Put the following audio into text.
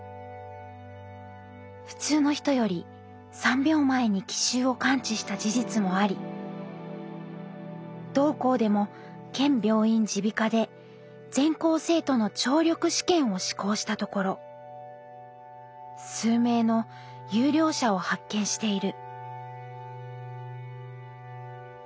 「普通の人より三秒前に機襲を感知した事実もあり同校でも県病院耳鼻科で全校生徒の聴力試験を施行したところ数名の優良者を発見している」。